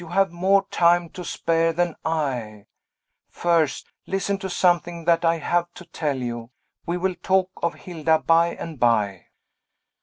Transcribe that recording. "You have more time to spare than I. First, listen to something that I have to tell. We will talk of Hilda by and by."